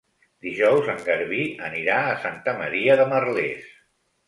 Dijous en Garbí anirà a Santa Maria de Merlès.